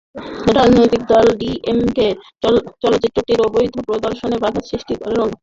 রাজনৈতিক দল ডিএমকে চলচ্চিত্রটির অবৈধ প্রদর্শনে বাঁধা সৃষ্টির অনেক চেষ্টা করেও ব্যর্থ হয়েছিলো।